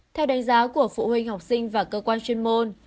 theo đánh giá của phụ huynh học sinh và cơ quan chuyên môn